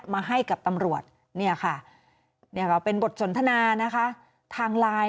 มาให้กับตำรวจเป็นบทสนทนาทางลาย